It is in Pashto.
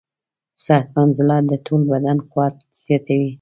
صحتمند زړه د ټول بدن قوت زیاتوي.